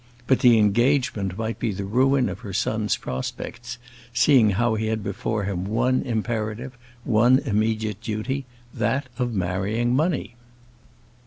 But the engagement might be the ruin of her son's prospects, seeing how he had before him one imperative, one immediate duty that of marrying money.